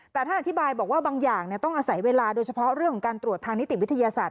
แต่ท่านอธิบายบอกว่าบางอย่างต้องอาศัยเวลาโดยเฉพาะเรื่องของการตรวจทางนิติวิทยาศาสต